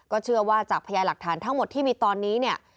เชื่อว่าจากพยาหลักฐานทั้งหมดที่มีตอนนี้เนี่ย